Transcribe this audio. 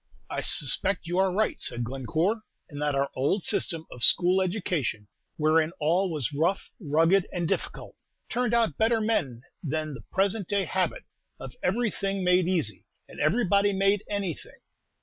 "I suspect you are right," said Glencore, "and that our old system of school education, wherein all was rough, rugged, and difficult, turned out better men than the present day habit of everything made easy and everybody made any thing.